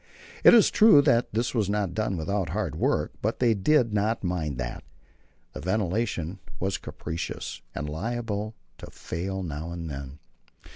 It is true that this was not done without hard work, but they did not mind that. The ventilation was capricious, and liable to fail now and then.